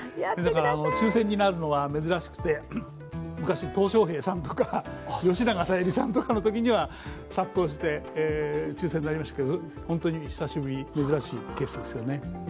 抽選になるのは珍しくて昔、トウ小平さんとか吉永小百合さんのときは殺到して抽選になりましたけど、本当に久しぶり、珍しいケースですよね。